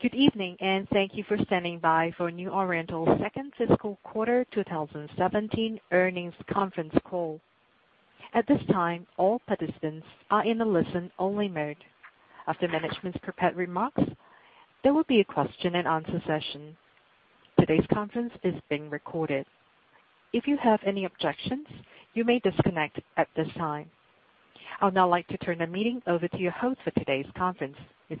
Good evening. Thank you for standing by for New Oriental's second fiscal quarter 2017 earnings conference call. At this time, all participants are in a listen-only mode. After management's prepared remarks, there will be a question and answer session. Today's conference is being recorded. If you have any objections, you may disconnect at this time. I would now like to turn the meeting over to your host for today's conference, Ms.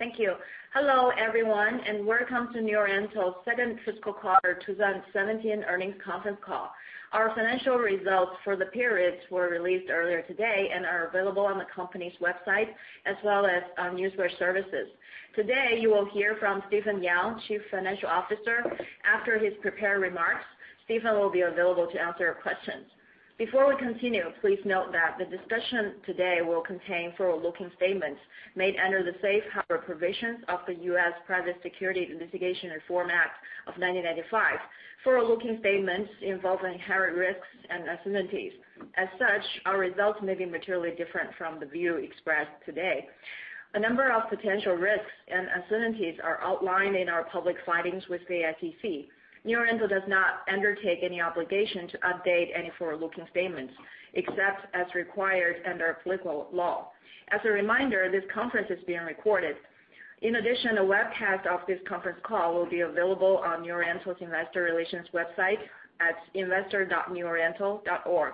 Sisi Zhao. Thank you. Hello, everyone. Welcome to New Oriental's second fiscal quarter 2017 earnings conference call. Our financial results for the periods were released earlier today and are available on the company's website as well as news wire services. Today, you will hear from Stephen Yang, Chief Financial Officer. After his prepared remarks, Stephen will be available to answer your questions. Before we continue, please note that the discussion today will contain forward-looking statements made under the safe harbor provisions of the U.S. Private Securities Litigation Reform Act of 1995. Forward-looking statements involve inherent risks and uncertainties. As such, our results may be materially different from the view expressed today. A number of potential risks and uncertainties are outlined in our public filings with the SEC. New Oriental does not undertake any obligation to update any forward-looking statements, except as required under applicable law. As a reminder, this conference is being recorded. In addition, a webcast of this conference call will be available on New Oriental's investor relations website at investor.neworiental.org.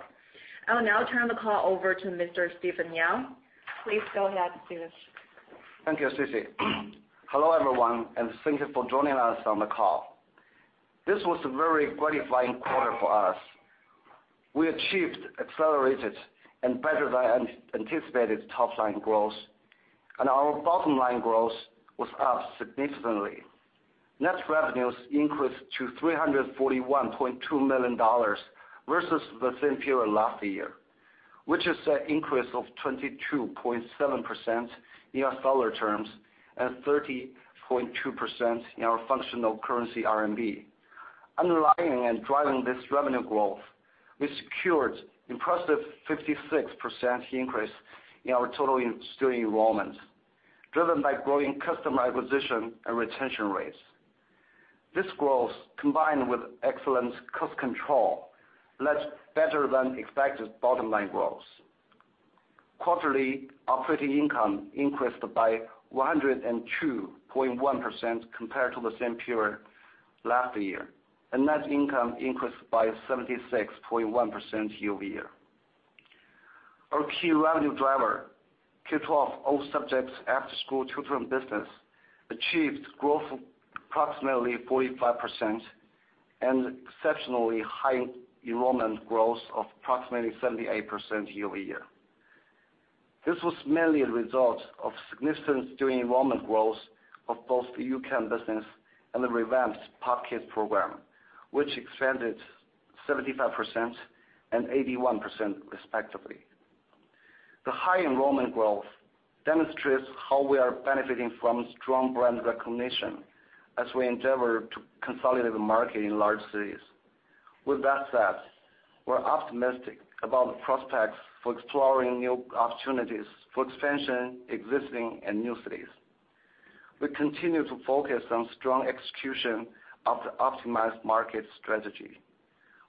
I will now turn the call over to Mr. Stephen Yang. Please go ahead, Stephen. Thank you, Sisi. Hello, everyone. Thank you for joining us on the call. This was a very gratifying quarter for us. We achieved accelerated and better-than-anticipated top-line growth, and our bottom line growth was up significantly. Net revenues increased to $341.2 million versus the same period last year, which is an increase of 22.7% in U.S. dollar terms and 30.2% in our functional currency, RMB. Underlying and driving this revenue growth, we secured impressive 56% increase in our total student enrollment, driven by growing customer acquisition and retention rates. This growth, combined with excellent cost control, led to better-than-expected bottom-line growth. Quarterly operating income increased by 102.1% compared to the same period last year, and net income increased by 76.1% year-over-year. Our key revenue driver, K12 all subjects after-school tutoring business, achieved growth of approximately 45% and exceptionally high enrollment growth of approximately 78% year-over-year. This was mainly a result of significant student enrollment growth of both the U-Can business and the revamped POP Kids program, which expanded 75% and 81% respectively. The high enrollment growth demonstrates how we are benefiting from strong brand recognition as we endeavor to consolidate the market in large cities. With that said, we're optimistic about the prospects for exploring new opportunities for expansion, existing, and new cities. We continue to focus on strong execution of the optimized market strategy,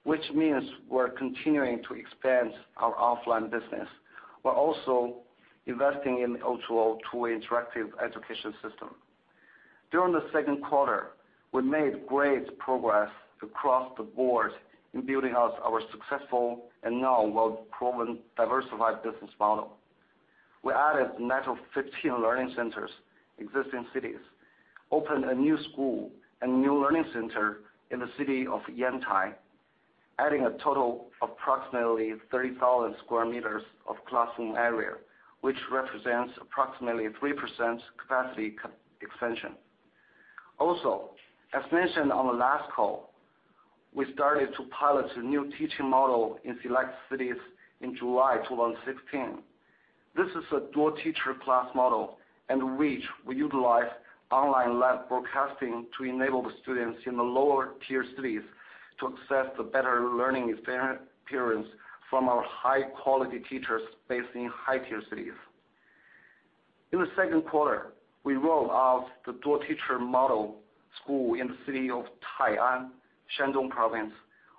which means we're continuing to expand our offline business, while also investing in the O2O two-way interactive education system. During the second quarter, we made great progress across the board in building out our successful and now well-proven diversified business model. We added a net of 15 learning centers in existing cities, opened a new school and a new learning center in the city of Yantai, adding a total of approximately 30,000 sq m of classroom area, which represents approximately 3% capacity expansion. As mentioned on the last call, we started to pilot a new teaching model in select cities in July 2016. This is a dual teacher class model in which we utilize online live broadcasting to enable the students in the lower-tier cities to access the better learning experience from our high-quality teachers based in higher-tier cities. In the second quarter, we rolled out the dual teacher model school in the city of Tai'an, Shandong province.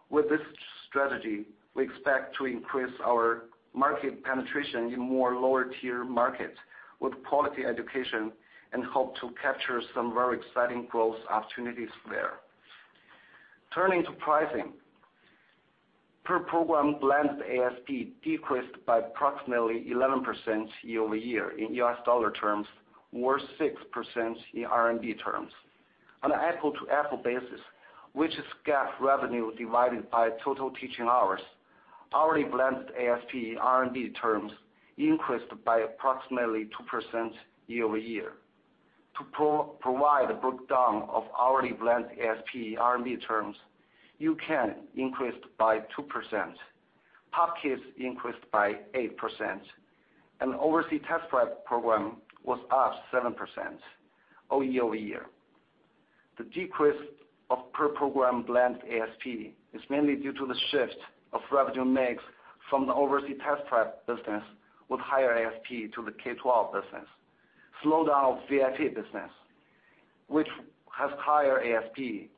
With this strategy, we expect to increase our market penetration in more lower-tier markets with quality education and hope to capture some very exciting growth opportunities there. Turning to pricing. Per program blended ASP decreased by approximately 11% year-over-year in U.S. dollar terms, or 6% in RMB terms. On an apple-to-apple basis, which is GAAP revenue divided by total teaching hours, hourly blended ASP in RMB terms increased by approximately 2% year-over-year. To provide a breakdown of hourly blended ASP in RMB terms, UCamp increased by 2%, POP Kids increased by 8%, and the overseas test prep program was up 7% Y-o-Y. The decrease of per program blend ASP is mainly due to the shift of revenue mix from the overseas test prep business with higher ASP to the K-12 business, slowdown of VIP business, which has higher ASP,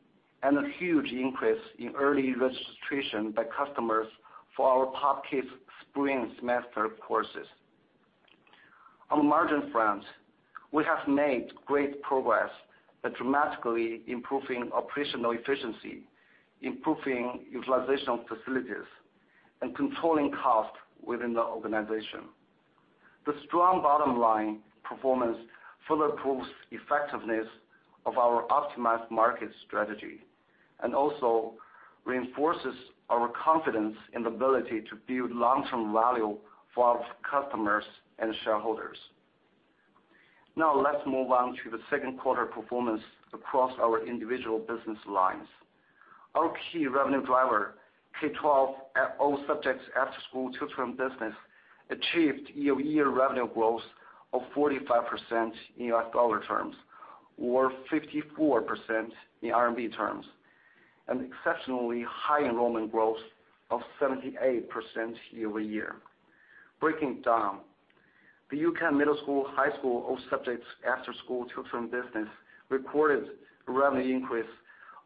and a huge increase in early registration by customers for our Top Kids spring semester courses. On the margin front, we have made great progress at dramatically improving operational efficiency, improving utilization of facilities, and controlling costs within the organization. The strong bottom-line performance further proves effectiveness of our optimized market strategy, and also reinforces our confidence in the ability to build long-term value for our customers and shareholders. Now let's move on to the second quarter performance across our individual business lines. Our key revenue driver, K-12 all subjects after-school tutor business, achieved year-over-year revenue growth of 45% in U.S. dollar terms, or 54% in RMB terms, an exceptionally high enrollment growth of 78% year-over-year. Breaking it down, the U-Can middle school, high school, all subjects after-school tutoring business recorded revenue increase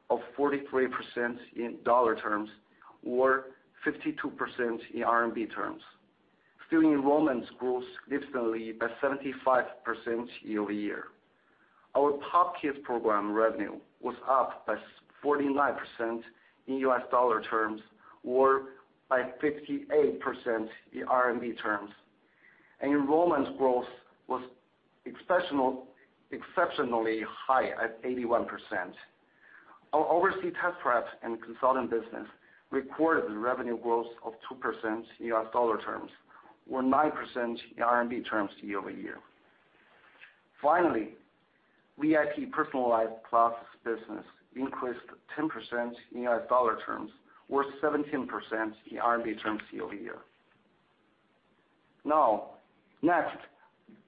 of 43% in U.S. dollar terms, or 52% in RMB terms. Student enrollments grew significantly by 75% year-over-year. Our POP Kids program revenue was up by 49% in U.S. dollar terms, or by 58% in RMB terms, and enrollment growth was exceptionally high at 81%. Our overseas test prep and consulting business recorded revenue growth of 2% in USD terms, or 9% in RMB terms year-over-year. VIP personalized classes business increased 10% in USD terms, or 17% in RMB terms year-over-year. Next,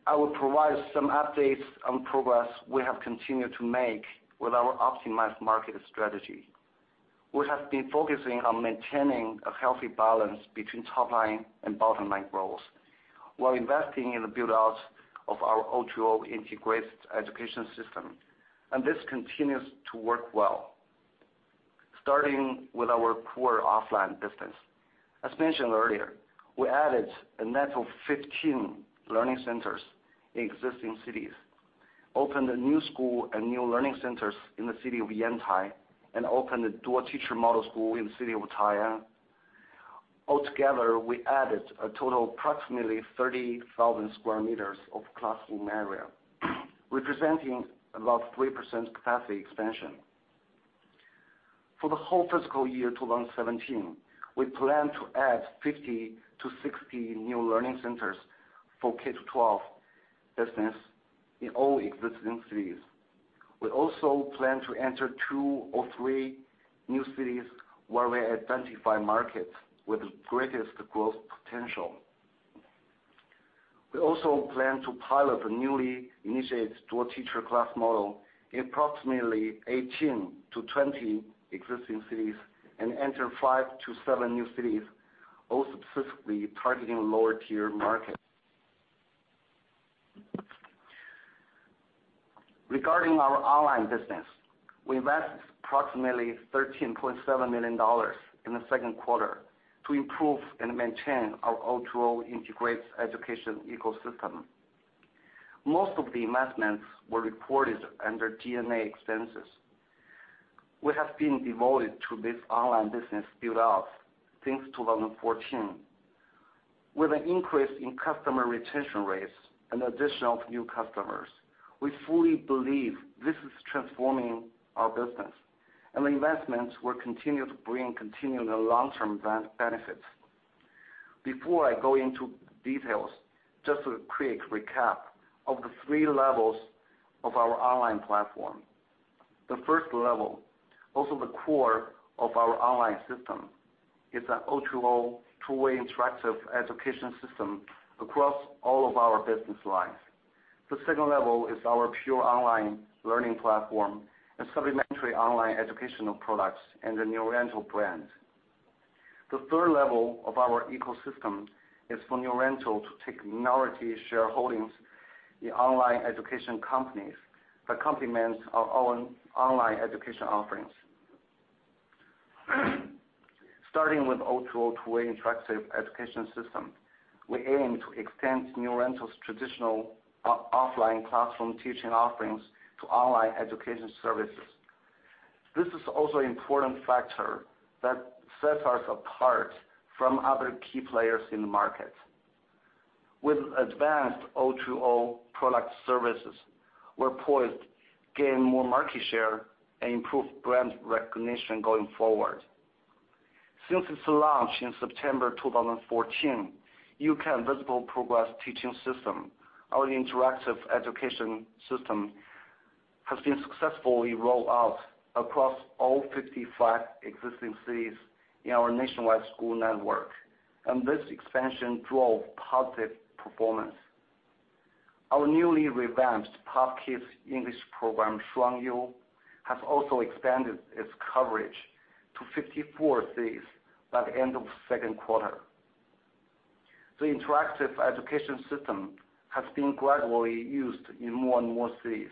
I will provide some updates on progress we have continued to make with our optimized market strategy. We have been focusing on maintaining a healthy balance between top-line and bottom-line growth while investing in the build-out of our O2O integrated education system, and this continues to work well. Starting with our core offline business. As mentioned earlier, we added a net of 15 learning centers in existing cities, opened a new school and new learning centers in the city of Yantai, and opened a dual teacher model school in the city of Tai'an. Together, we added a total approximately 30,000 sq m of classroom area, representing about 3% capacity expansion. For the whole FY 2017, we plan to add 50 to 60 new learning centers for K-12 business in all existing cities. We also plan to enter two or three new cities where we identify markets with the greatest growth potential. We also plan to pilot the newly initiated dual teacher class model in approximately 18 to 20 existing cities and enter five to seven new cities, all specifically targeting lower-tier markets. Regarding our online business, we invested approximately $13.7 million in the second quarter to improve and maintain our O2O integrated education ecosystem. Most of the investments were reported under G&A expenses. We have been devoted to this online business build-out since 2014. With an increase in customer retention rates and addition of new customers, we fully believe this is transforming our business, and the investments will continue to bring continual long-term benefits. Before I go into details, just a quick recap of the 3 levels of our online platform. The 1st level, also the core of our online system, is an O2O two-way interactive education system across all of our business lines. The 2nd level is our pure online learning platform and supplementary online educational products under New Oriental brand. The 3rd level of our ecosystem is for New Oriental to take minority shareholdings in online education companies that complement our own online education offerings. Starting with O2O two-way interactive education system, we aim to extend New Oriental's traditional offline classroom teaching offerings to online education services. This is also important factor that sets us apart from other key players in the market. With advanced O2O product services, we are poised to gain more market share and improve brand recognition going forward. Since its launch in September 2014, U-Can Visible Progress teaching system, our interactive education system, has been successfully rolled out across all 55 existing cities in our nationwide school network, and this expansion drove positive performance. Our newly revamped Top Kids English program, Shuangyu, has also expanded its coverage to 54 cities by the end of second quarter. The interactive education system has been gradually used in more and more cities.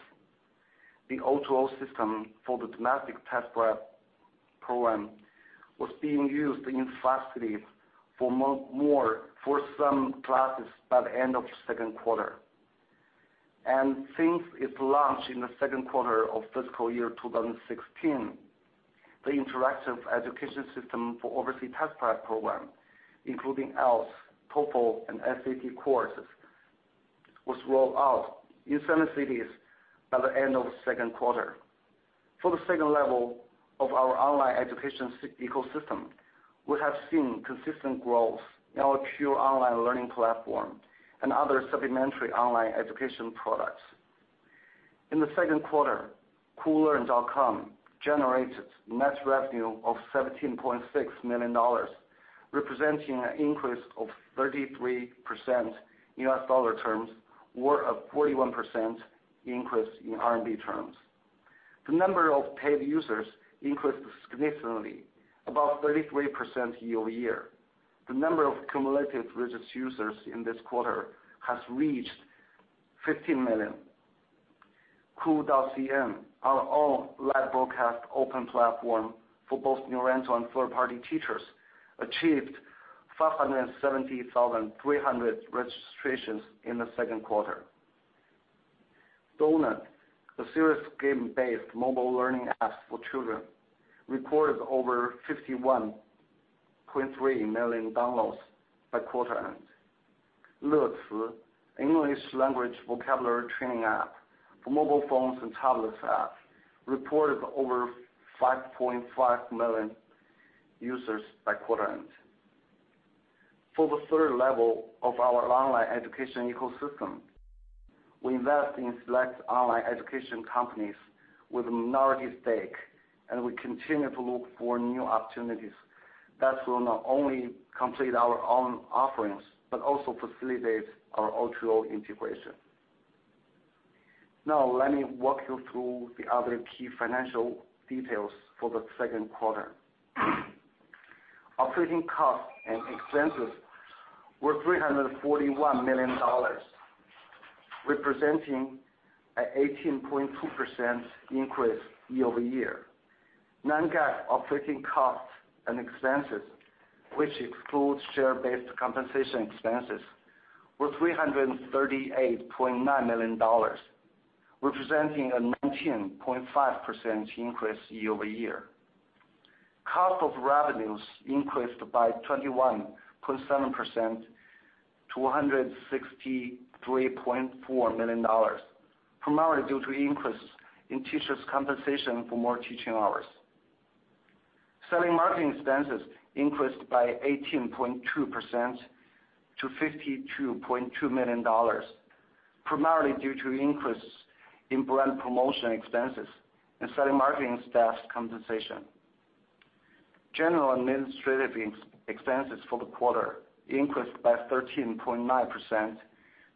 The O2O system for the domestic test-prep program was being used in five cities for some classes by the end of second quarter. Since its launch in the second quarter of fiscal year 2016, the interactive education system for overseas test prep program, including IELTS, TOEFL, and SAT courses, was rolled out in seven cities by the end of second quarter. For the second level of our online education ecosystem, we have seen consistent growth in our pure online learning platform and other supplementary online education products. In the second quarter, Koolearn.com generated net revenue of $17.6 million, representing an increase of 33% in U.S. dollar terms or a 41% increase in RMB terms. The number of paid users increased significantly, about 33% year-over-year. The number of cumulative registered users in this quarter has reached 15 million. Koo.cm, our own live broadcast open platform for both New Oriental and third-party teachers, achieved 570,300 registrations in the second quarter. Donut, the serious game-based mobile learning app for children, recorded over 51.3 million downloads by quarter end. Leci, English language vocabulary training app for mobile phones and tablets app, reported over 5.5 million users by quarter end. For the third level of our online education ecosystem, we invest in select online education companies with a minority stake, and we continue to look for new opportunities that will not only complete our own offerings, but also facilitate our O2O integration. Let me walk you through the other key financial details for the second quarter. Operating costs and expenses were $341 million, representing an 18.2% increase year-over-year. Non-GAAP operating costs and expenses, which excludes share-based compensation expenses, were $338.9 million, representing a 19.5% increase year-over-year. Cost of revenues increased by 21.7% to $163.4 million, primarily due to increase in teachers compensation for more teaching hours. Selling marketing expenses increased by 18.2% to $52.2 million, primarily due to increase in brand promotion expenses and selling marketing staff compensation. General administrative expenses for the quarter increased by 13.9%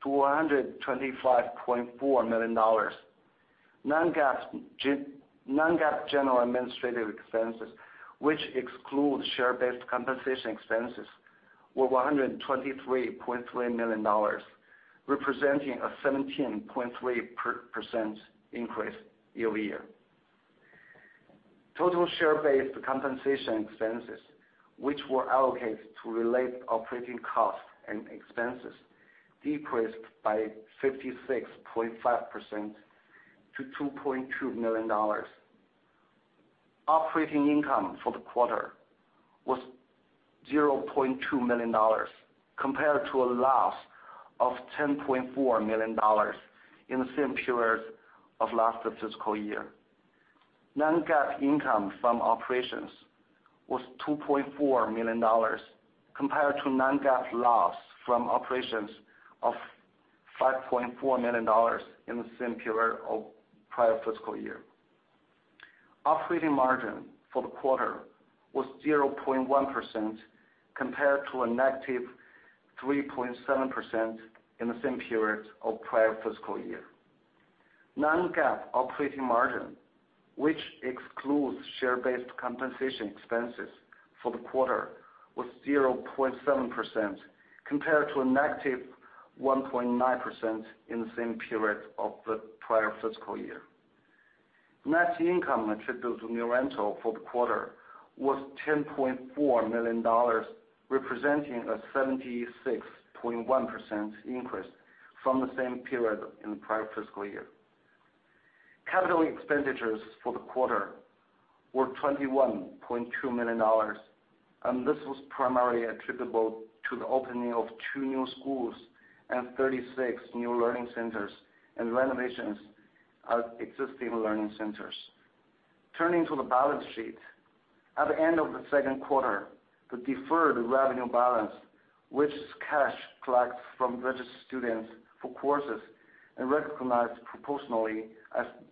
to $125.4 million. Non-GAAP general administrative expenses, which excludes share-based compensation expenses, were $123.3 million, representing a 17.3% increase year-over-year. Total share-based compensation expenses, which were allocated to relate operating costs and expenses, decreased by 56.5% to $2.2 million. Operating income for the quarter was $0.2 million, compared to a loss of $10.4 million in the same period of last fiscal year. Non-GAAP income from operations was $2.4 million, compared to non-GAAP loss from operations of $5.4 million in the same period of prior fiscal year. Operating margin for the quarter was 0.1%, compared to a negative 3.7% in the same period of prior fiscal year. Non-GAAP operating margin, which excludes share-based compensation expenses for the quarter, was 0.7% compared to a negative 1.9% in the same period of the prior fiscal year. Net income attributable to New Oriental for the quarter was $10.4 million, representing a 76.1% increase from the same period in the prior fiscal year. Capital expenditures for the quarter were $21.2 million, and this was primarily attributable to the opening of 2 new schools and 36 new learning centers, and renovations at existing learning centers. Turning to the balance sheet. At the end of the second quarter, the deferred revenue balance, which is cash collected from registered students for courses and recognized proportionally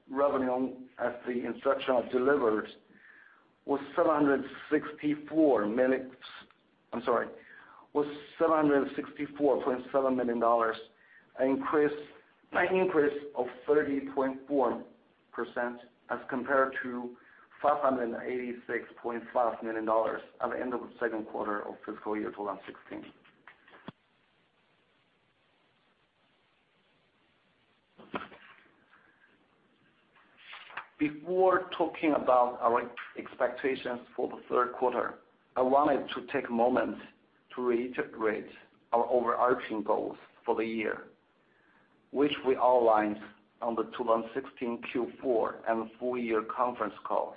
as revenue as the instruction delivered Was $764.7 million, an increase of 30.4% as compared to $586.5 million at the end of the second quarter of fiscal year 2016. Before talking about our expectations for the third quarter, I wanted to take a moment to reiterate our overarching goals for the year, which we outlined on the 2016 Q4 and full year conference call.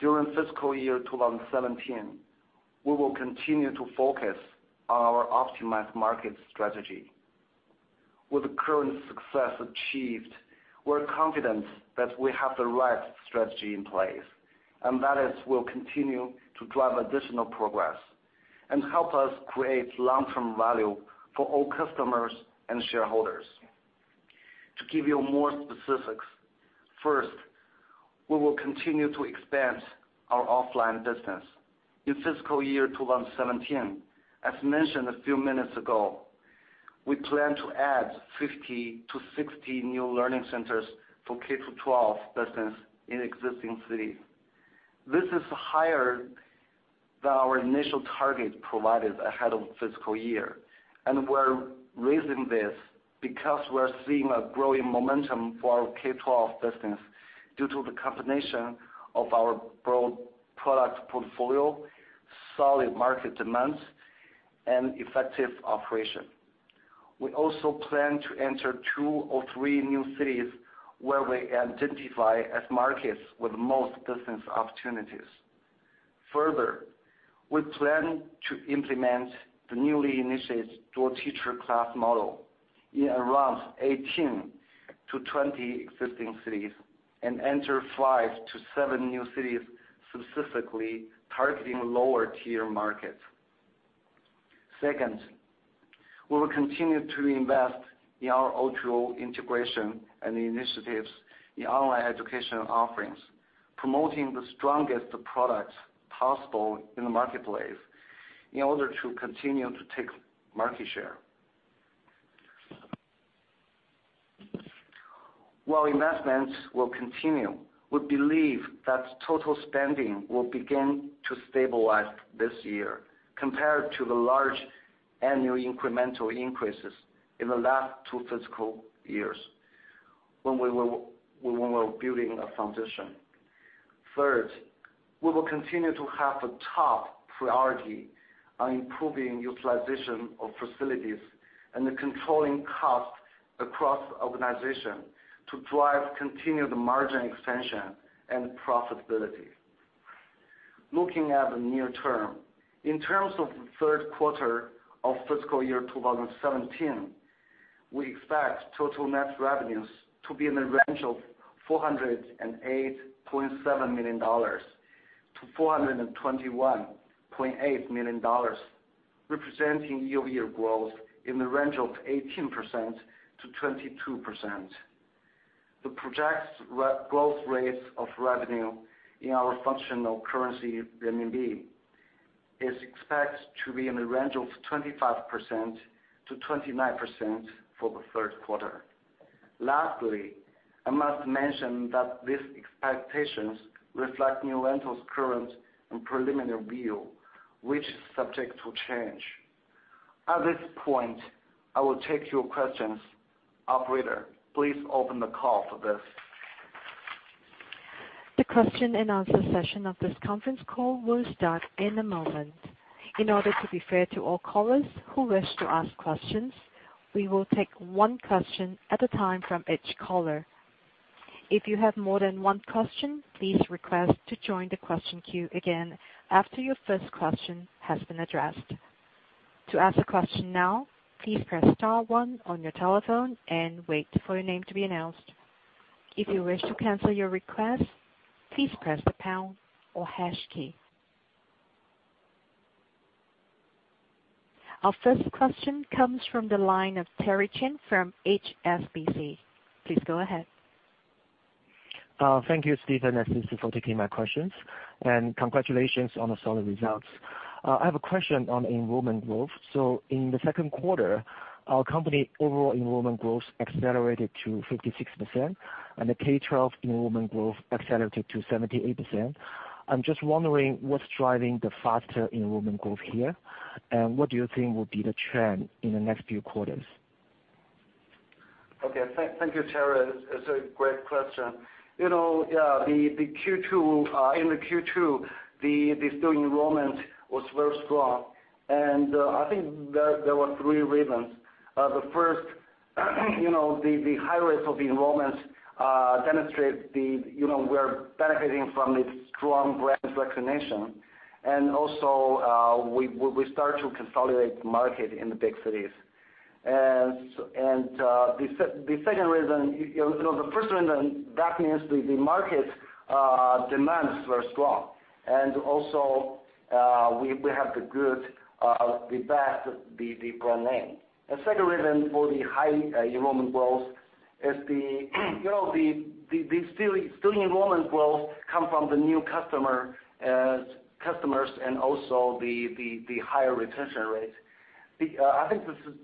During fiscal year 2017, we will continue to focus on our optimized market strategy. With the current success achieved, we're confident that we have the right strategy in place, and that is, we'll continue to drive additional progress and help us create long-term value for all customers and shareholders. To give you more specifics, first, we will continue to expand our offline business. In fiscal year 2017, as mentioned a few minutes ago, we plan to add 50-60 new learning centers for K-12 business in existing cities. This is higher than our initial target provided ahead of fiscal year. We're raising this because we are seeing a growing momentum for our K-12 business due to the combination of our broad product portfolio, solid market demands, and effective operation. We also plan to enter two or three new cities where we identify as markets with most business opportunities. Further, we plan to implement the newly initiated dual teacher class model in around 18-20 existing cities and enter five to seven new cities, specifically targeting lower tier markets. Second, we will continue to invest in our O2O integration and initiatives in online education offerings, promoting the strongest products possible in the marketplace in order to continue to take market share. While investments will continue, we believe that total spending will begin to stabilize this year compared to the large annual incremental increases in the last two fiscal years when we were building a foundation. Third, we will continue to have a top priority on improving utilization of facilities and the controlling cost across the organization to drive continued margin expansion and profitability. Looking at the near term, in terms of the third quarter of fiscal year 2017, we expect total net revenues to be in the range of $408.7 million-$421.8 million, representing year-over-year growth in the range of 18%-22%. The projected growth rate of revenue in our functional currency, the RMB, is expected to be in the range of 25%-29% for the third quarter. Lastly, I must mention that these expectations reflect New Oriental's current and preliminary view, which is subject to change. At this point, I will take your questions. Operator, please open the call for this. The question and answer session of this conference call will start in a moment. In order to be fair to all callers who wish to ask questions, we will take one question at a time from each caller. If you have more than one question, please request to join the question queue again after your first question has been addressed. To ask a question now, please press star one on your telephone and wait for your name to be announced. If you wish to cancel your request, please press the pound or hash key. Our first question comes from the line of Terry Chin from HSBC. Please go ahead. Thank you, Stephen, and thanks for taking my questions, and congratulations on the solid results. I have a question on enrollment growth. In the second quarter, our company overall enrollment growth accelerated to 56%, and the K-12 enrollment growth accelerated to 78%. I'm just wondering what's driving the faster enrollment growth here, and what do you think will be the trend in the next few quarters? Okay. Thank you, Terry. It's a great question. In the Q2, the student enrollment was very strong, and I think there were three reasons. The first, the high rates of enrollments demonstrate we're benefiting from the strong brand recognition and also we start to consolidate the market in the big cities. The second reason, that means the market demands were strong. Also we have the best brand name. The second reason for the high enrollment growth is the student enrollment will come from the new customers and also the higher retention rate. I think this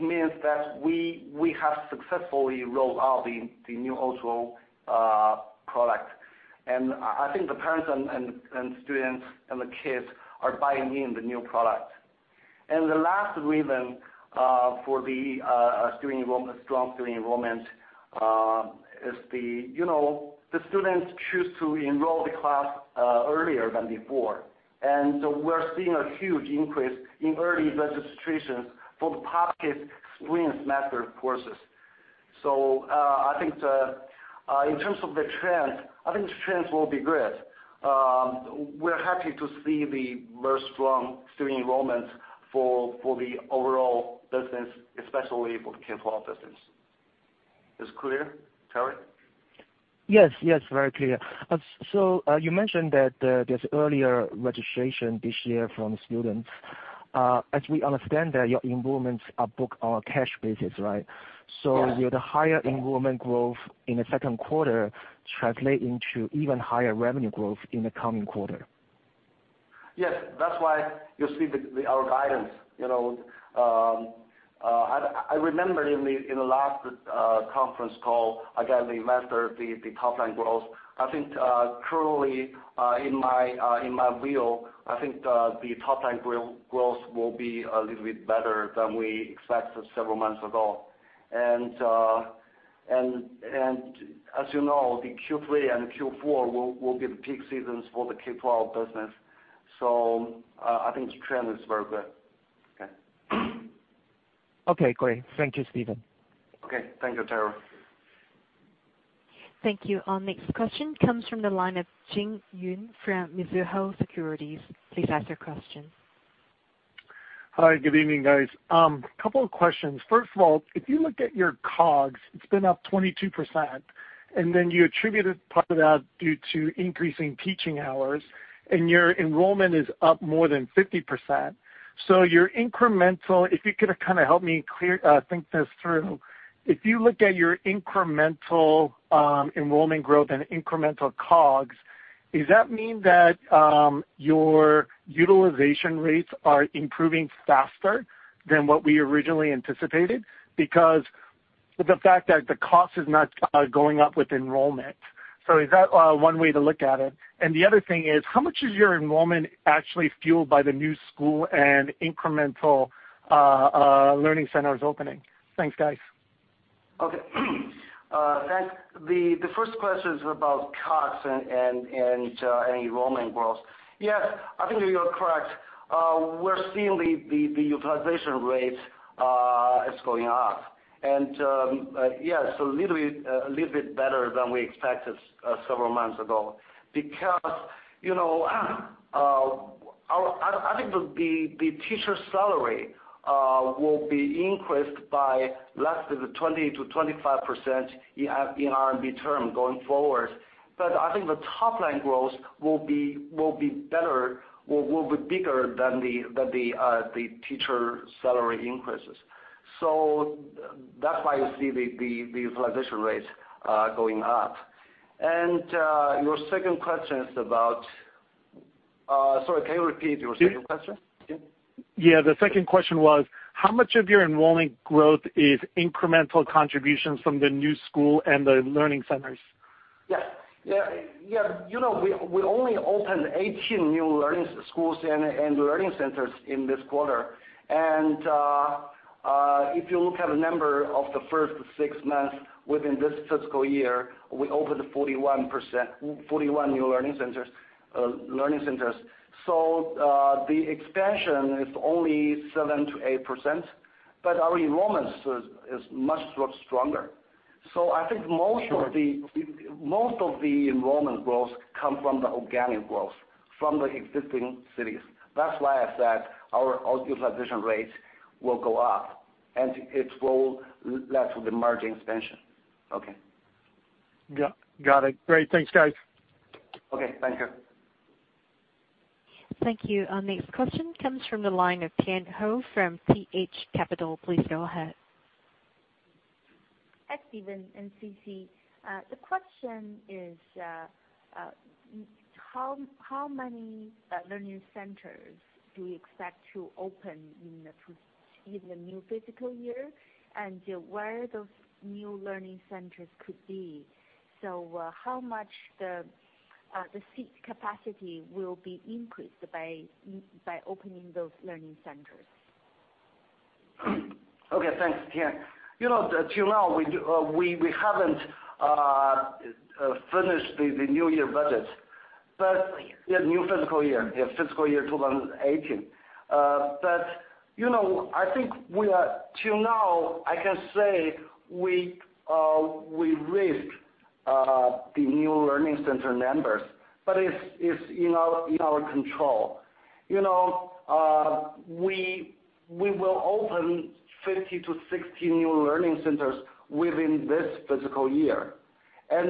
means that we have successfully rolled out the new O2O product. I think the parents and students and the kids are buying in the new product. The last reason for the strong student enrollment is the students choose to enroll the class earlier than before. We're seeing a huge increase in early registrations for the Top Kids' spring semester courses. I think in terms of the trend, I think the trends will be good. We're happy to see the very strong student enrollment for the overall business, especially for the K-12 business. Is this clear, Terry? Yes, very clear. You mentioned that there's earlier registration this year from students. As we understand that your enrollments are booked on a cash basis, right? Yes. Will the higher enrollment growth in the second quarter translate into even higher revenue growth in the coming quarter? Yes. That's why you see our guidance. I remember in the last conference call, I guided the investor the top line growth. I think currently, in my view, I think the top line growth will be a little bit better than we expected several months ago. As you know, the Q3 and Q4 will be the peak seasons for the K12 business, so I think the trend is very good. Okay. Okay, great. Thank you, Stephen. Okay. Thank you, Terry. Thank you. Our next question comes from the line of Jin Yoon from Mizuho Securities. Please ask your question. Hi, good evening, guys. Couple of questions. First of all, if you look at your COGS, it's been up 22%, and then you attributed part of that due to increasing teaching hours, and your enrollment is up more than 50%. If you could kind of help me think this through, if you look at your incremental enrollment growth and incremental COGS, does that mean that your utilization rates are improving faster than what we originally anticipated? Because the fact that the cost is not going up with enrollment. Is that one way to look at it? The other thing is, how much is your enrollment actually fueled by the new school and incremental learning centers opening? Thanks, guys. Okay. Thanks. The first question is about COGS and enrollment growth. Yes, I think you're correct. We're seeing the utilization rate is going up. Yes, a little bit better than we expected several months ago. I think the teacher salary will be increased by less than 20%-25% in RMB term going forward. I think the top line growth will be bigger than the teacher salary increases. That's why you see the utilization rates going up. Your second question is about Sorry, can you repeat your second question? Yeah. The second question was, how much of your enrollment growth is incremental contributions from the new school and the learning centers? Yeah. We only opened 18 new learning schools and learning centers in this quarter. If you look at the number of the first six months within this fiscal year, we opened 41 new learning centers. The expansion is only 7%-8%, but our enrollment is much stronger. I think most of the enrollment growth come from the organic growth, from the existing cities. That's why I said our utilization rates will go up, and it will lead to the margin expansion. Okay. Got it. Great. Thanks, guys. Okay, thank you. Thank you. Our next question comes from the line of Tian Hou from T.H. Capital. Please go ahead. Hi, Stephen and Sisi. The question is, how many learning centers do you expect to open in the new fiscal year? Where those new learning centers could be? How much the seat capacity will be increased by opening those learning centers? Okay, thanks, Tian. Till now, we haven't finished the new year budget. Fiscal year. Yeah, new fiscal year. Yeah, fiscal year 2018. I think till now, I can say we raised the new learning center numbers, but it's in our control. We will open 50-60 new learning centers within this fiscal year.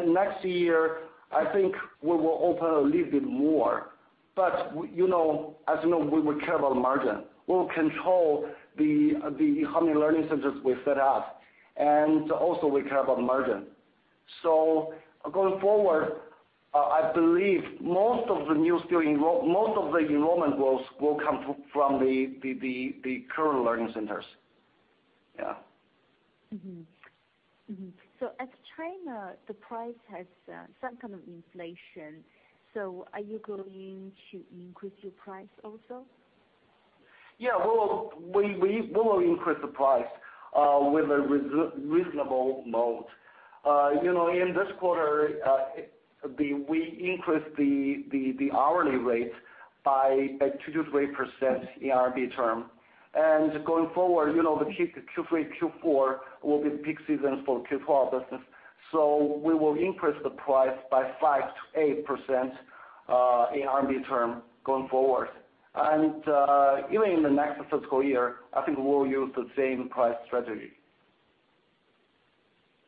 Next year, I think we will open a little bit more. As you know, we care about margin. We'll control how many learning centers we set up, and also we care about margin. Going forward, I believe most of the enrollment growth will come from the current learning centers. Yeah. Mm-hmm. As China, the price has some kind of inflation, so are you going to increase your price also? Yeah, we will increase the price with a reasonable mode. In this quarter, we increased the hourly rate by 2% to 3% in RMB term. Going forward, the Q3, Q4 will be the peak seasons for K12 business. We will increase the price by 5% to 8% in RMB term, going forward. Even in the next fiscal year, I think we will use the same price strategy.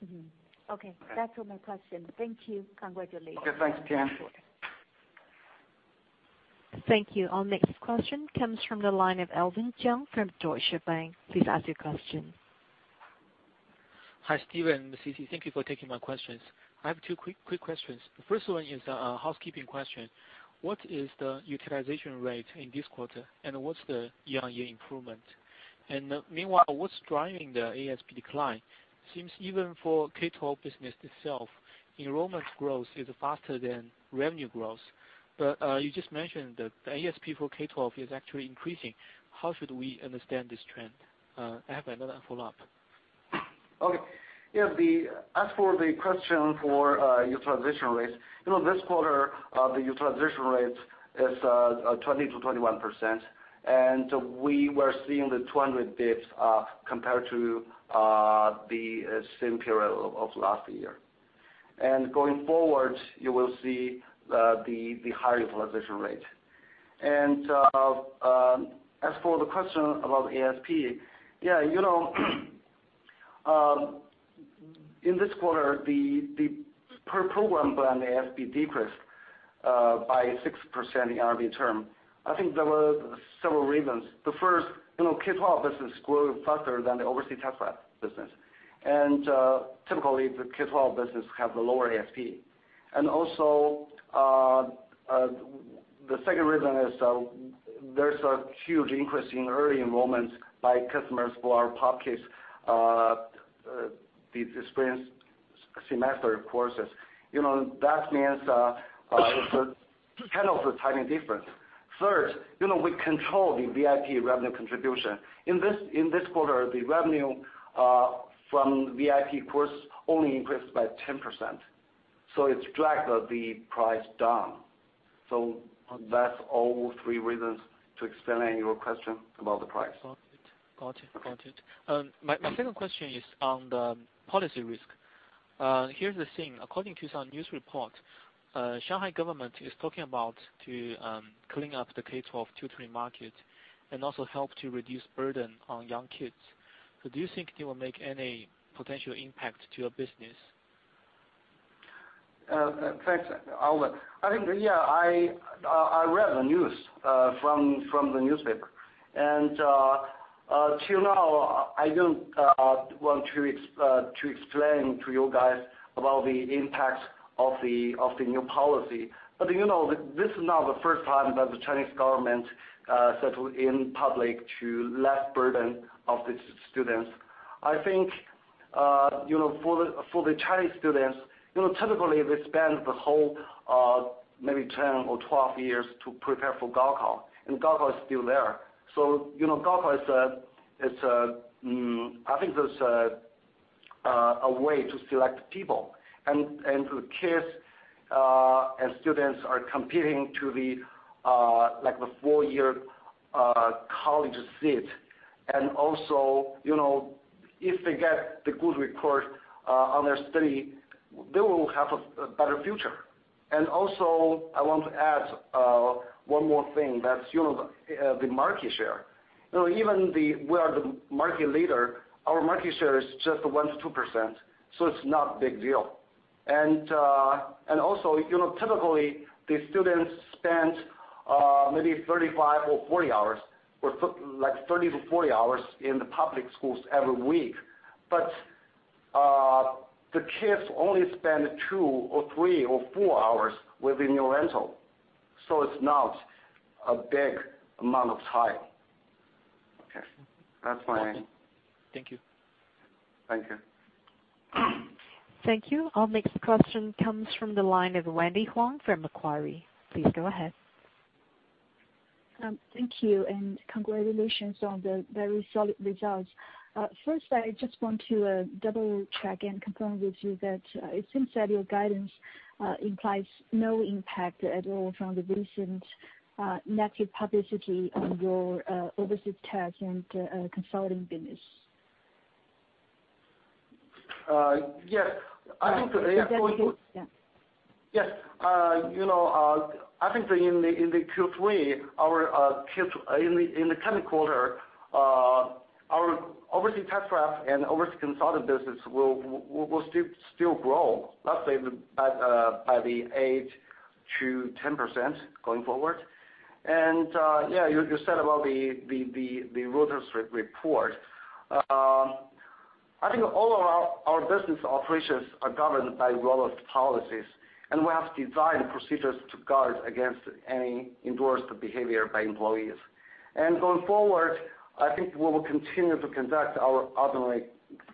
Mm-hmm. Okay. That's all my question. Thank you. Congratulations. Okay, thanks, Tian. Sure. Thank you. Our next question comes from the line of Alvin Zhang from Deutsche Bank. Please ask your question. Hi, Stephen, Sisi. Thank you for taking my questions. I have two quick questions. The first one is a housekeeping question. What is the utilization rate in this quarter, and what is the year-over-year improvement? Meanwhile, what is driving the ASP decline? Seems even for K-12 business itself, enrollment growth is faster than revenue growth. You just mentioned that the ASP for K-12 is actually increasing. How should we understand this trend? I have another follow-up. Okay. As for the question for utilization rates, this quarter, the utilization rate is 20%-21%, and we were seeing the 200 basis points compared to the same period of last year. Going forward, you will see the high utilization rate. As for the question about ASP, in this quarter, the per program ASP decreased by 6% in RMB term. I think there were several reasons. The first, K-12 business is growing faster than the overseas test prep business. Typically, the K-12 business has the lower ASP. Also, the second reason is there's a huge increase in early enrollments by customers who are POP Kids, these experience semester courses. That means it's kind of a timing difference. Third, we control the VIP revenue contribution. In this quarter, the revenue from VIP course only increased by 10%, it dragged the price down. That's all three reasons to explain your question about the price. Got it. Okay. My second question is on the policy risk. Here's the thing, according to some news report, Shanghai government is talking about to clean up the K12 tutoring market and also help to reduce burden on young kids. Do you think they will make any potential impact to your business? Thanks, Alvin. I think, yeah, I read the news from the newspaper. Till now, I don't want to explain to you guys about the impact of the new policy. This is not the first time that the Chinese government said in public to less burden of the students. I think, for the Chinese students, typically, they spend the whole maybe 10 or 12 years to prepare for Gaokao, and Gaokao is still there. Gaokao is, I think, is a way to select people, and the kids and students are competing to the four-year college seat. Also, if they get the good report on their study, they will have a better future. Also, I want to add one more thing, that's the market share. Even we are the market leader, our market share is just 1%-2%, so it's not big deal. Also, typically, the students spend maybe 35 or 40 hours, or like 30 to 40 hours in the public schools every week. The kids only spend two or three or four hours with the New Oriental, so it's not a big amount of time. Okay. That's my end. Thank you. Thank you. Thank you. Our next question comes from the line of Wendy Huang from Macquarie. Please go ahead. Thank you. Congratulations on the very solid results. First, I just want to double-check and confirm with you that it seems that your guidance implies no impact at all from the recent negative publicity on your overseas test and consulting business. Yes. I think in the coming quarter, our overseas test prep and overseas consultant business will still grow, let's say by the 8%-10% going forward. You said about the Reuters report. I think all of our business operations are governed by robust policies, and we have designed procedures to guard against any undesired behavior by employees. Going forward, I think we will continue to conduct our ordinary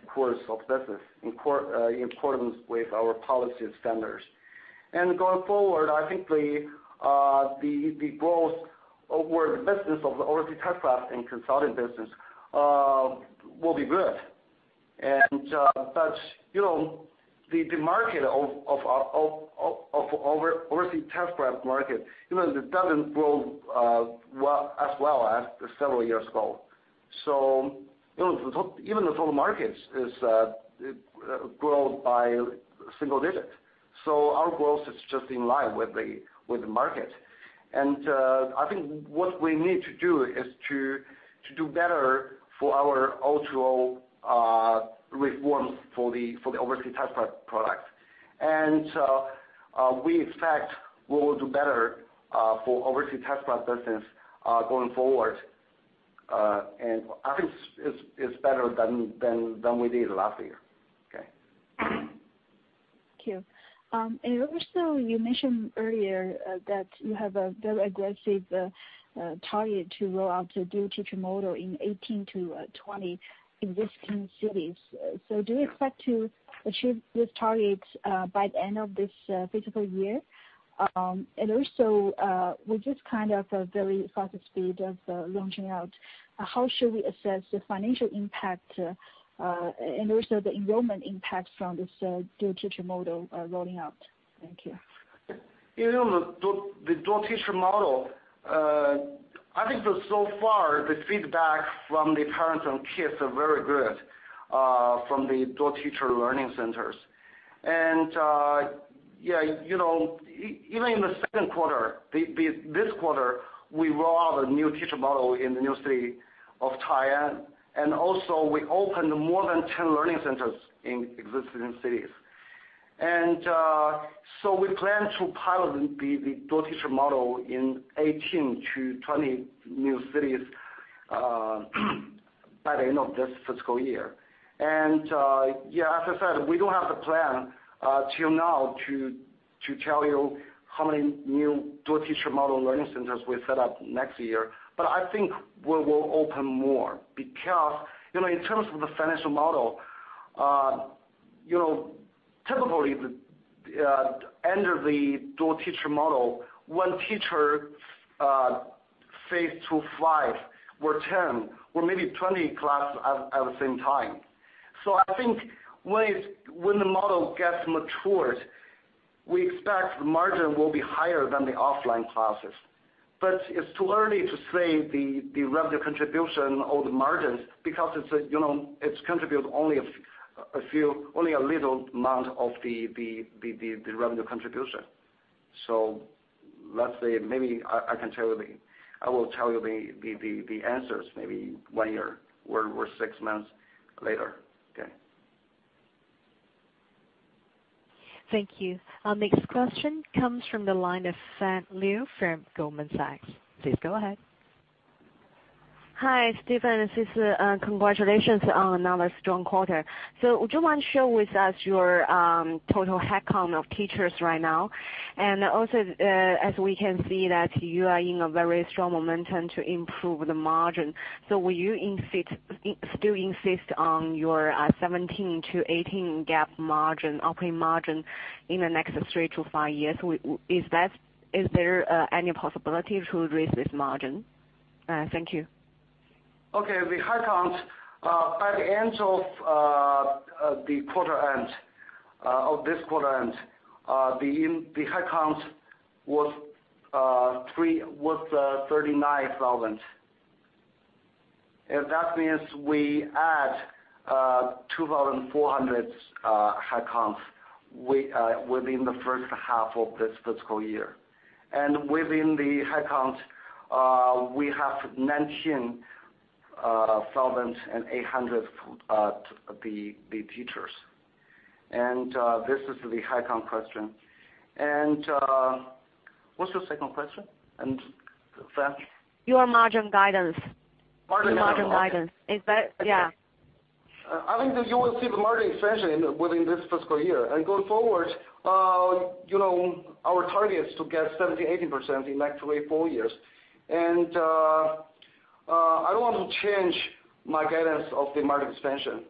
course of business in accordance with our policy and standards. Going forward, I think the growth or the business of the overseas test prep and consulting business will be good. The overseas test prep market doesn't grow as well as several years ago. Even the total market has grown by single digits. Our growth is just in line with the market. I think what we need to do is to do better for our O2O reforms for the overseas test prep product. We expect we will do better for overseas test prep business, going forward. I think it's better than we did last year. Okay. Thank you. Also, you mentioned earlier that you have a very aggressive target to roll out the dual-teacher model in 18-20 existing cities. Do you expect to achieve these targets by the end of this fiscal year? Also, with this kind of very faster speed of launching out, how should we assess the financial impact, and also the enrollment impact from this dual-teacher model rolling out? Thank you. The dual-teacher model, I think so far, the feedback from the parents and kids are very good from the dual-teacher learning centers. Even in the second quarter, this quarter, we roll out a new teacher model in the new city of Tai'an, also we opened more than 10 learning centers in existing cities. We plan to pilot the dual-teacher model in 18-20 new cities by the end of this fiscal year. As I said, we don't have the plan till now to tell you how many new dual-teacher model learning centers we'll set up next year. I think we will open more because, in terms of the financial model, typically, the end of the dual-teacher model, one teacher face to five or 10 or maybe 20 classes at the same time. I think when the model gets matured, we expect the margin will be higher than the offline classes. It's too early to say the revenue contribution or the margins, because it contributes only a little amount of the revenue contribution. Let's say, maybe I will tell you the answers maybe one year or six months later. Okay. Thank you. Our next question comes from the line of Fan Liu from Goldman Sachs. Please go ahead. Hi, Stephen. Congratulations on another strong quarter. Would you mind share with us your total headcount of teachers right now? As we can see that you are in a very strong momentum to improve the margin. Will you still insist on your 17%-18% GAAP operating margin in the next three to five years? Is there any possibility to raise this margin? Thank you. Okay. The headcount at the end of this quarter end, the headcount was 39,000. That means we add 2,400 headcounts within the first half of this fiscal year. Within the headcount, we have 19,800 of the teachers. This is the headcount question. What's your second question, Fan? Your margin guidance. Margin guidance. The margin guidance. Yeah. I think that you will see the margin expansion within this fiscal year. Going forward, our target is to get 17%-18% in actually four years. I don't want to change my guidance of the margin expansion.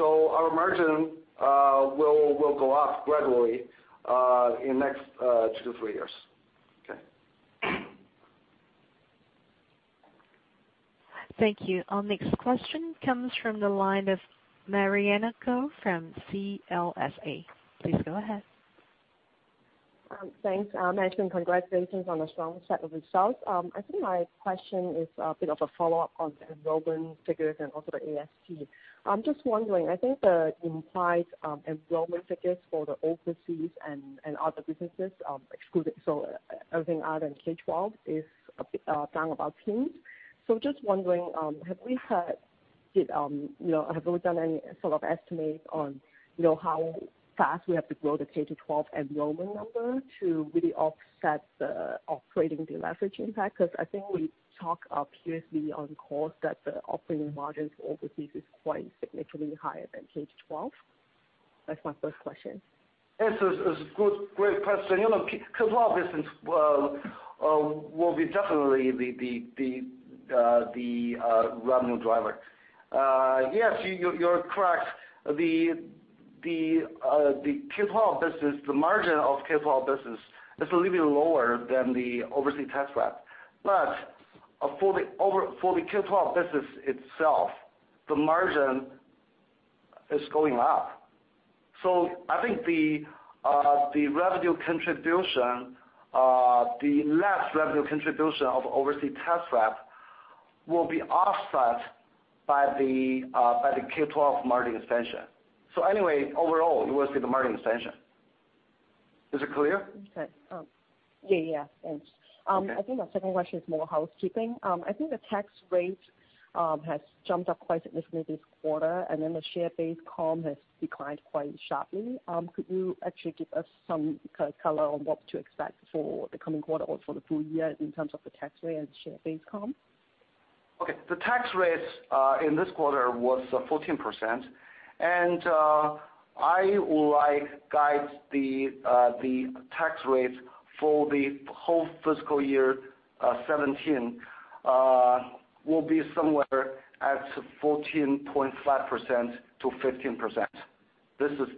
Our margin will go up gradually in the next two to three years. Okay. Thank you. Our next question comes from the line of Mary Ann Co from CLSA. Please go ahead. Thanks. Management, congratulations on the strong set of results. I think my question is a bit of a follow-up on the enrollment figures and also the ASP. I'm just wondering, I think the implied enrollment figures for the overseas and other businesses, everything other than K12, is down about 10. Just wondering, have we done any sort of estimates on how fast we have to grow the K to 12 enrollment number to really offset the operating de-leverage impact? I think we talk up here on calls that the operating margins overseas is quite significantly higher than K to 12. That's my first question. Yes. It's a great question. K12 business will be definitely the revenue driver. Yes, you're correct. The margin of K12 business is a little bit lower than the overseas test prep. For the K12 business itself, the margin is going up. I think the less revenue contribution of overseas test prep will be offset by the K12 margin expansion. Anyway, overall, you will see the margin expansion. Is it clear? Okay. Yeah. Thanks. Okay. I think my second question is more housekeeping. I think the tax rate has jumped up quite significantly this quarter, and then the share-based comp has declined quite sharply. Could you actually give us some kind of color on what to expect for the coming quarter or for the full year in terms of the tax rate and share-based comp? Okay. The tax rates in this quarter was 14%, and I will guide the tax rate for the whole fiscal year 2017 will be somewhere at 14.5%-15%. This is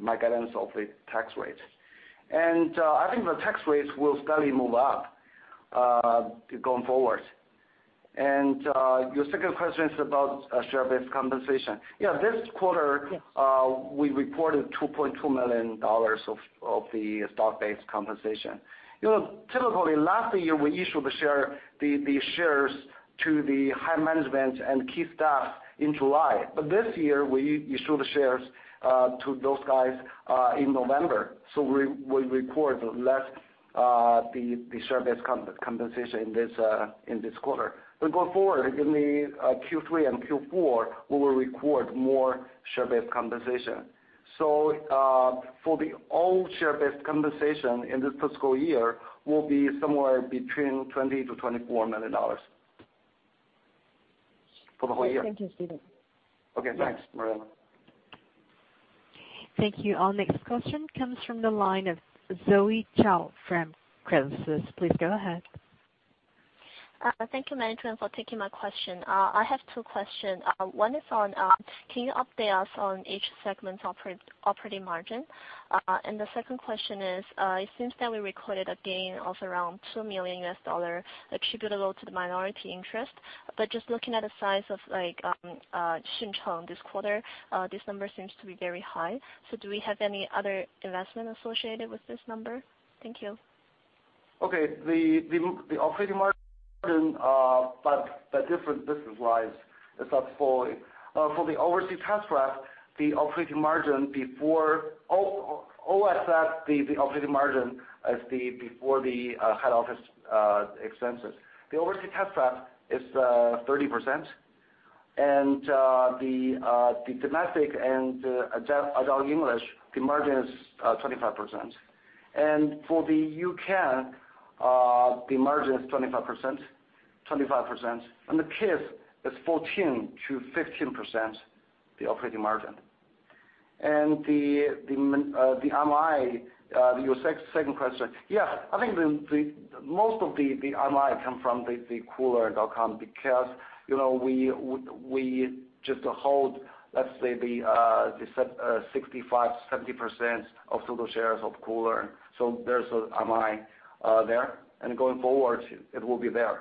my guidance of the tax rate. I think the tax rates will slowly move up going forward. Your second question is about share-based compensation. Yeah, this quarter- Yes we reported $2.2 million of the stock-based compensation. Typically, last year, we issued the shares to the high management and key staff in July. This year, we issued the shares to those guys in November. We will report less the share-based compensation in this quarter. Going forward, in the Q3 and Q4, we will record more share-based compensation. For the all share-based compensation in this fiscal year will be somewhere between $20 million-$24 million. For the whole year. Thank you, Stephen. Okay, thanks, Mary Ann. Thank you. Our next question comes from the line of Zoe Chao from Credit Suisse. Please go ahead. Thank you, management, for taking my question. I have two questions. One is, can you update us on each segment's operating margin? The second question is, it seems that we recorded a gain of around $2 million attributable to the minority interest. Just looking at the size of Xuncheng this quarter, this number seems to be very high. Do we have any other investment associated with this number? Thank you. Okay. The operating margin by different business lines is as follows. For the overseas test prep, the operating margin before over that, the operating margin is before the head office expenses. The overseas test prep is 30%. The domestic and adult English, the margin is 25%. For the U-Can, the margin is 25%. The kids is 14%-15%, the operating margin. The MI, your second question. I think most of the MI come from Koolearn.com because we just hold, let's say the 65%, 70% of total shares of Koolearn. There's MI there, and going forward, it will be there.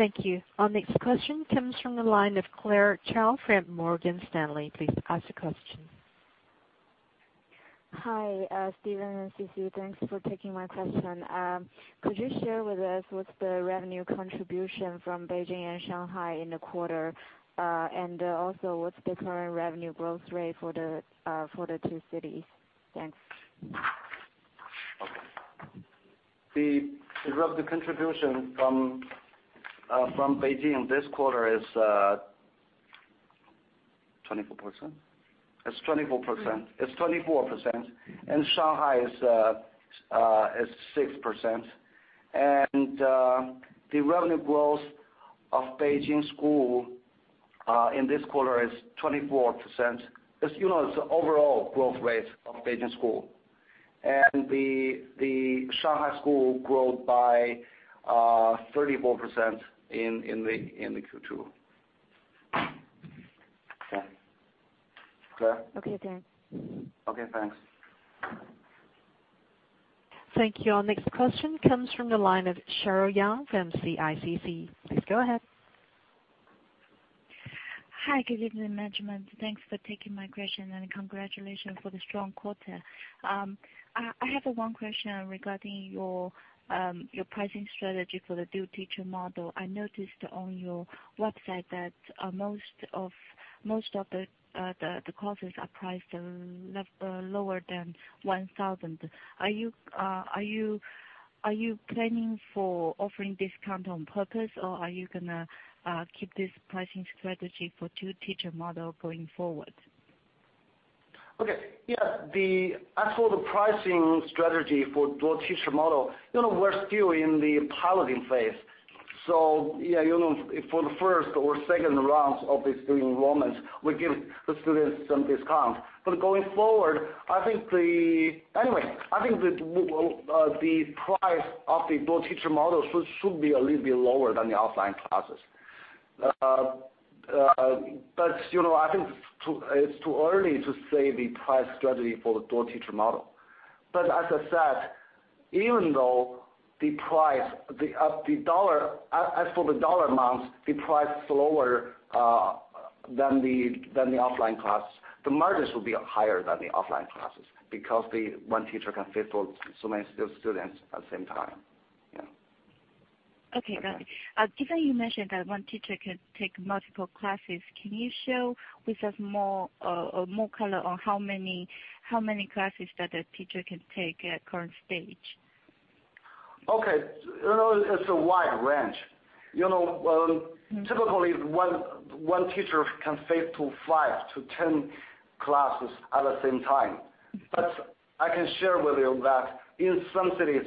Okay? Thank you. Our next question comes from the line of Claire Chao from Morgan Stanley. Please ask the question. Hi, Stephen and Sisi. Thanks for taking my question. Could you share with us what's the revenue contribution from Beijing and Shanghai in the quarter? Also, what's the current revenue growth rate for the two cities? Thanks. Okay. The revenue contribution from Beijing this quarter is 24%? It's 24%. Shanghai is 6%. The revenue growth of Beijing school in this quarter is 24%. It's the overall growth rate of Beijing school. The Shanghai school growth by 34% in the Q2. Okay. Claire? Okay, thanks. Okay, thanks. Thank you. Our next question comes from the line of Cheryl Yang from CICC. Please go ahead. Hi. Good evening, management. Thanks for taking my question. Congratulations for the strong quarter. I have one question regarding your pricing strategy for the dual teacher model. I noticed on your website that most of the classes are priced lower than $1,000. Are you planning for offering discount on purpose, are you going to keep this pricing strategy for dual teacher model going forward? Okay. Yeah. As for the pricing strategy for dual teacher model, we're still in the piloting phase. Yeah, for the first or second rounds of the student enrollments, we give the students some discount. Going forward, I think that the price of the dual teacher model should be a little bit lower than the offline classes. I think it's too early to say the price strategy for the dual teacher model. As I said, even though as for the dollar amounts, the price is lower than the offline class, the margins will be higher than the offline classes because the one teacher can face so many students at the same time. Yeah. Okay, got it. Given you mentioned that one teacher can take multiple classes, can you share with us more color on how many classes that a teacher can take at current stage? Okay. It's a wide range. Typically, one teacher can face to 5 to 10 classes at the same time. I can share with you that in some cities,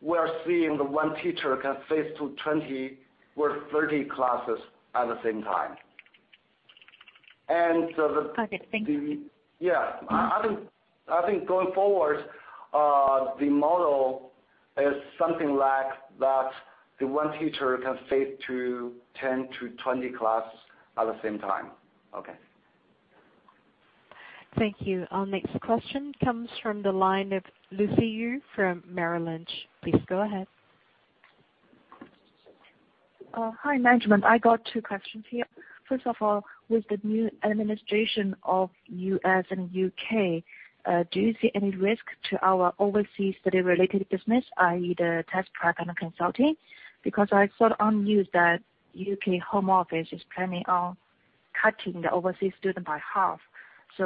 we are seeing that one teacher can face to 20 or 30 classes at the same time. Okay. Thank you. Yeah. I think going forward, the model is something like that the one teacher can face to 10-20 classes at the same time. Okay. Thank you. Our next question comes from the line of Lucy Yu from Merrill Lynch. Please go ahead. Hi, management. I got two questions here. First of all, with the new administration of U.S. and U.K., do you see any risk to our overseas study-related business, i.e., the test prep and the consulting? Because I saw on news that UK Home Office is planning on cutting the overseas student by half.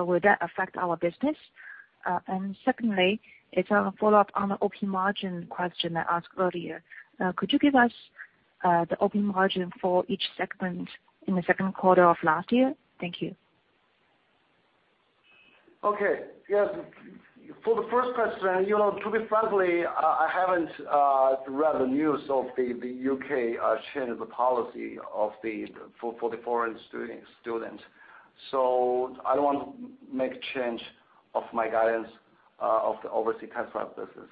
Will that affect our business? Secondly, it's a follow-up on the OP margin question I asked earlier. Could you give us the OP margin for each segment in the second quarter of last year? Thank you. Okay. Yes. For the first question, to be frankly, I haven't read the news of the U.K. change of the policy for the foreign student. I don't want to make a change of my guidance of the overseas test prep business.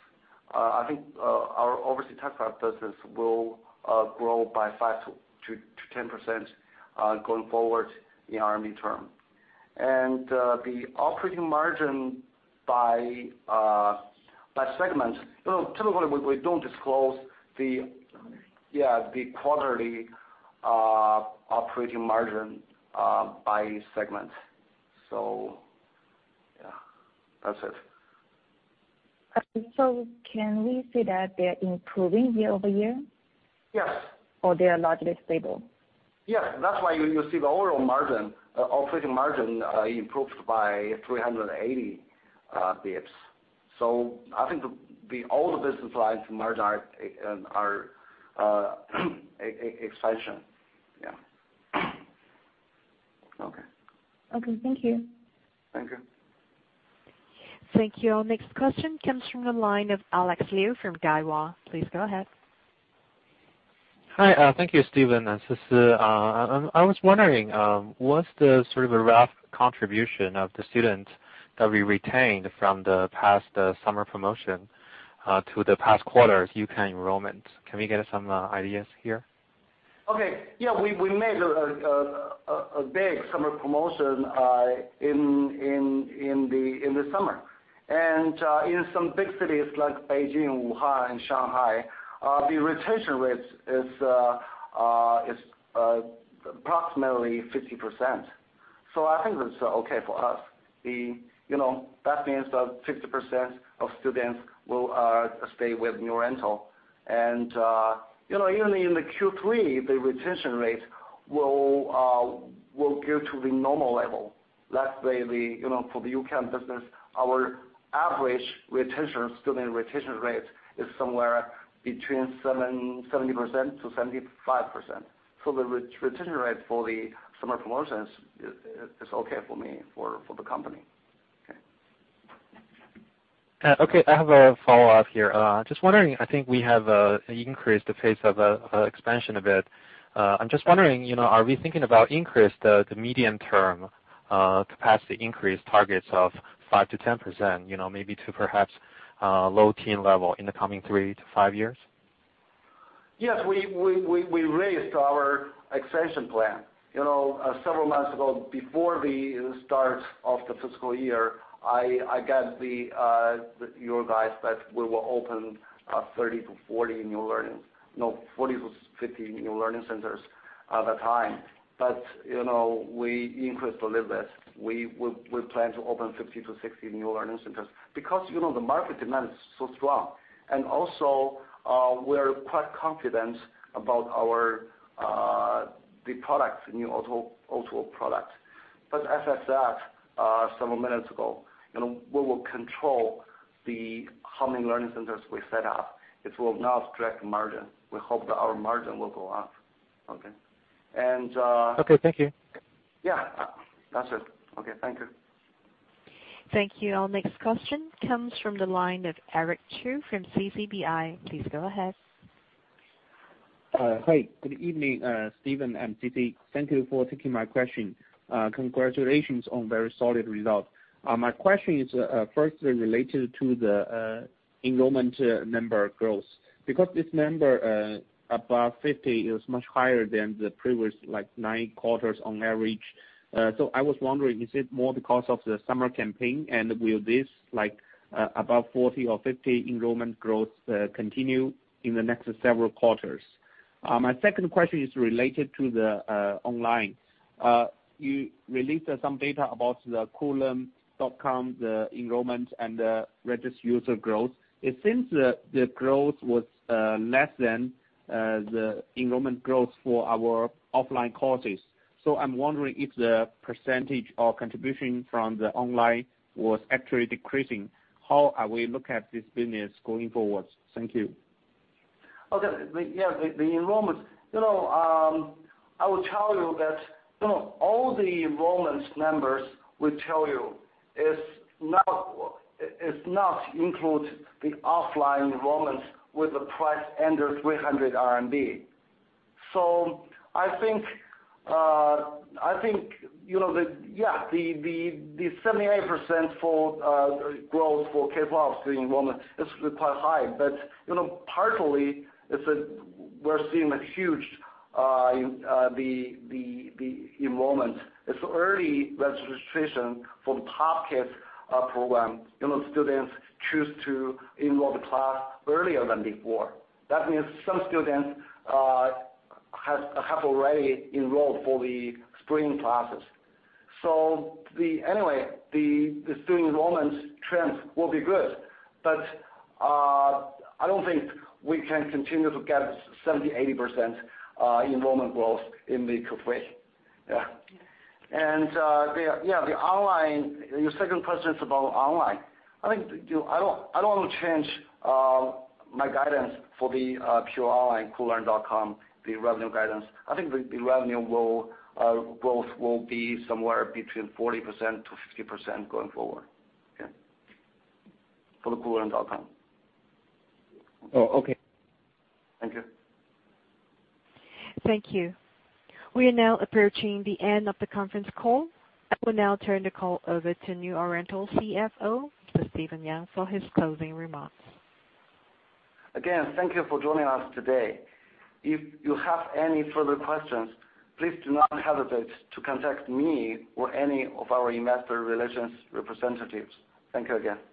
I think our overseas test prep business will grow by 5%-10% going forward in our midterm. The operating margin by segment, typically, we don't disclose the quarterly operating margin by segment. That's it. Can we say that they are improving year-over-year? Yes. They are largely stable? Yes, that's why you see the overall margin, operating margin, improved by 380 basis points. I think all the business lines margin are expansion. Yeah. Okay. Okay. Thank you. Thank you. Thank you. Our next question comes from the line of Alex Liu from Daiwa. Please go ahead. Hi. Thank you, Stephen and Sisi. I was wondering, what's the sort of rough contribution of the students that we retained from the past summer promotion to the past quarter UCamp enrollment? Can we get some ideas here? Okay. Yeah, we made a big summer promotion in the summer. In some big cities like Beijing, Wuhan, and Shanghai, the retention rate is approximately 50%. I think that's okay for us. That means that 50% of students will stay with New Oriental. Even in the Q3, the retention rate will go to the normal level. Let's say for the UCamp business, our average student retention rate is somewhere between 70%-75%. The retention rate for the summer promotions is okay for me, for the company. Okay. Okay. I have a follow-up here. Just wondering, I think we have increased the pace of expansion a bit. I'm just wondering, are we thinking about increase the medium-term capacity increase targets of 5%-10%? Maybe to perhaps low-teen level in the coming three to five years? Yes, we raised our expansion plan. Several months ago, before the start of the fiscal year, I gave you guys that we will open 40-50 new learning centers at the time. We increased a little bit. We plan to open 50-60 new learning centers because the market demand is so strong. We are quite confident about the products, New Oriental products. As I said several minutes ago, we will control how many learning centers we set up. It will not affect margin. We hope that our margin will go up. Okay. Okay, thank you. Yeah. That's it. Okay, thank you. Thank you. Our next question comes from the line of Eric Chu from CCBI. Please go ahead. Hey, good evening, Stephen and Sisi. Thank you for taking my question. Congratulations on very solid results. My question is, firstly, related to the enrollment number growth. This number, above 50, is much higher than the previous nine quarters on average. I was wondering, is it more because of the summer campaign, and will this, above 40 or 50 enrollment growth, continue in the next several quarters? My second question is related to the online. You released some data about the Koolearn.com, the enrollment, and the registered user growth. It seems the growth was less than the enrollment growth for our offline courses. I was wondering if the percentage of contribution from the online was actually decreasing. How are we look at this business going forward? Thank you. Okay. Yeah, the enrollments. I will tell you that all the enrollments numbers we tell you, does not include the offline enrollments with the price under 300 RMB. I think, the 78% growth for K12, the enrollment, is quite high. Partially, we're seeing a huge enrollment. It's early registration for the Top Kids program. Students choose to enroll the class earlier than before. That means some students have already enrolled for the spring classes. Anyway, the student enrollment trends will be good, but I don't think we can continue to get 70%-80% enrollment growth in the future. Yeah. Your second question is about online. I don't want to change my guidance for the pure online Koolearn.com, the revenue guidance. I think the revenue growth will be somewhere between 40%-50% going forward. Okay. For the Koolearn.com. Oh, okay. Thank you. Thank you. We are now approaching the end of the conference call. I will now turn the call over to New Oriental CFO, to Stephen Yang, for his closing remarks. Again, thank you for joining us today. If you have any further questions, please do not hesitate to contact me or any of our investor relations representatives. Thank you again.